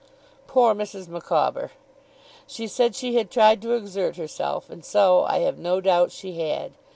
Poor Mrs. Micawber! She said she had tried to exert herself, and so, I have no doubt, she had.